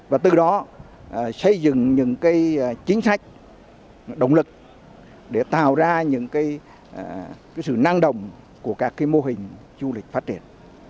và từ đó xây dựng những chính sách động lực để tạo ra những sự năng động của các mô hình du lịch phát triển